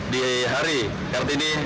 di hari kartini